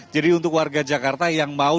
jadi untuk warga jakarta yang mau